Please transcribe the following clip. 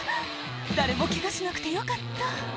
誰もケガしなくてよかった